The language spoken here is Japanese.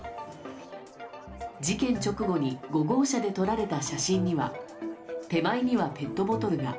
事件直後に５号車で撮られた写真には手前にはペットボトルが。